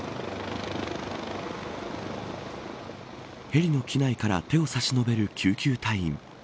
ヘリの機内から手を差し伸べる救急隊員。